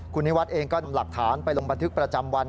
คุณนิวัฒน์เองก็นำหลักฐานไปลงบันทึกประจำวัน